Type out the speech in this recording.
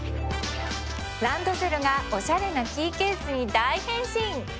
ランドセルがおしゃれなキーケースに大変身